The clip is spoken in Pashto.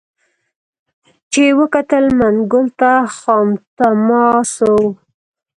چي یې وکتل منګول ته خامتما سو